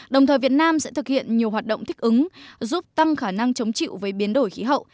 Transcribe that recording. đồng thời việt nam sẽ thực hiện nhiều hoạt động thích ứng giúp tăng khả năng chống chịu với biến đổi khí hậu